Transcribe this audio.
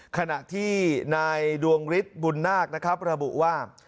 ขณะที่นายดวงฤทธิ์บุญนาคนะครับระบุว่า